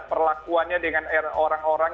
perlakuannya dengan orang orang